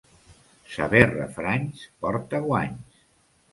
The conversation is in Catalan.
Saber refranys porta guanys.